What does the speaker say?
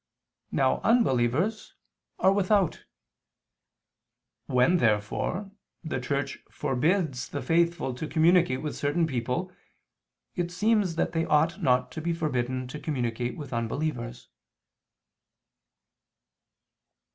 Now unbelievers are without. When, therefore, the Church forbids the faithful to communicate with certain people, it seems that they ought not to be forbidden to communicate with unbelievers.